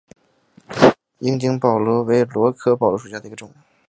樱井宝螺为宝螺科宝螺属下的一个种。